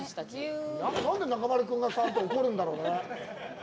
何で中丸君が搾ると怒るんだろうね？